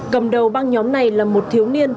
cầm đầu băng nhóm này là một thiếu niên